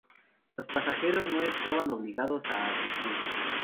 Los pasajeros no estaban obligados a asistir.